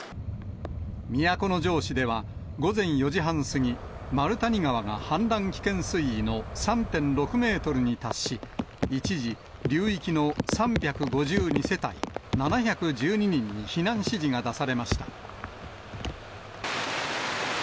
都城市では午前４時半過ぎ、丸谷川が氾濫危険水位の３．６メートルに達し、一時、流域の３５２世帯７１２人に避難指示が出されました。